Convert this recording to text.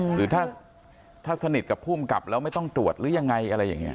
หรือถ้าสนิทกับภูมิกับแล้วไม่ต้องตรวจหรือยังไงอะไรอย่างนี้